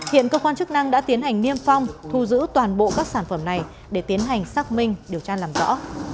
hiện cơ quan chức năng đã tiến hành niêm phong thu giữ toàn bộ các sản phẩm này để tiến hành xác minh điều tra làm rõ